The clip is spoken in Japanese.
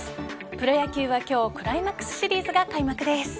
プロ野球は今日クライマックスシリーズが開幕です。